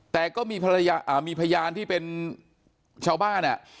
แต่ก็มีพยานที่เป็นชาวบ้าน